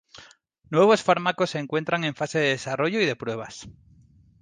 Nuevos fármacos se encuentran en fases de desarrollo y de pruebas.